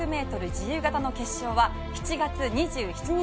自由形の決勝は７月２７日。